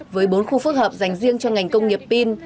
với bốn khu phức hợp dành riêng cho ngành công nghiệp pin